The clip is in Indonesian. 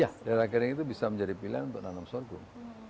ya daerah kering itu bisa menjadi pilihan untuk nanam sorghum